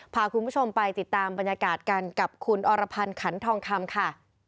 พาคุณผู้ชมไปติดตามบรรยากาศกันกับคุณอรพันธ์ขันทองคำค่ะ